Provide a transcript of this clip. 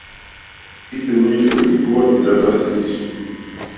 Сите луѓе се разликуваат и затоа се слични.